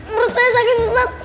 menurut saya sakit ustadz